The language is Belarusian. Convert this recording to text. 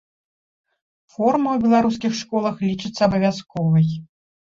Форма ў беларускіх школах лічыцца абавязковай.